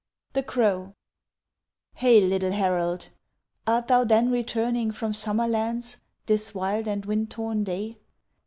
THE CROW Hail, little herald! Art thou then returning From summer lands, this wild and wind torn day?